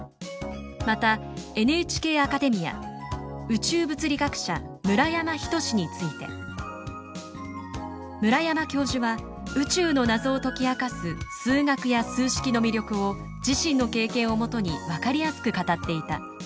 「宇宙物理学者村山斉」について「村山教授は宇宙の謎を解き明かす数学や数式の魅力を自身の経験をもとに分かりやすく語っていた。